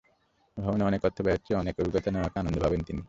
ভ্রমণে অনেক অর্থ ব্যয়ের চেয়ে অনেক অভিজ্ঞতা নেওয়াকে আনন্দ ভাবেন তিনি।